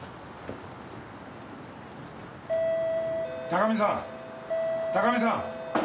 高見さん高見さん。